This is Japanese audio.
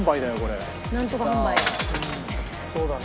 そうだね。